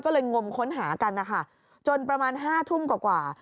ก็เลยงมค้นหากันนะคะจนประมาณ๕ทุ่มกว่า